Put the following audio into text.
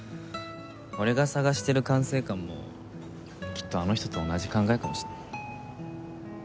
俺が探してる管制官もきっとあの人と同じ考えかもしれない。